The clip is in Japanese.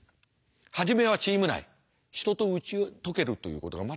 初めはチーム内人と打ち解けるということが全くできない。